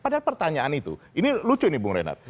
padahal pertanyaan itu ini lucu ini bung reinhardt